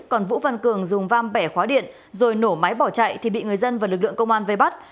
còn vũ văn cường dùng vam bẻ khóa điện rồi nổ máy bỏ chạy thì bị người dân và lực lượng công an vây bắt